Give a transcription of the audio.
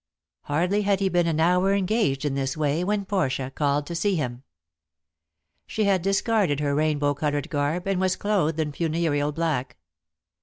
Hardly had he been an hour engaged in this way when Portia called to see him. She had discarded her rainbow colored garb, and was clothed in funereal black.